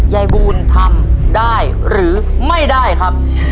ยายบูลทำได้หรือไม่ได้ครับ